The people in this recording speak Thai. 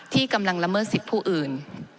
ที่กำลังละเมิดสิทธิ์ผู้อื่น